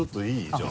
じゃあ。